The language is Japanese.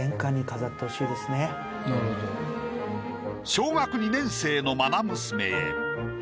小学２年生の愛娘へ。